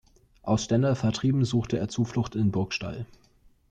Aus Stendal vertrieben, suchte er Zuflucht in Burgstall.